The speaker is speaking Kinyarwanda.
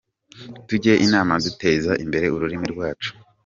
Tujye inama duteze imbere ururimi rwacu.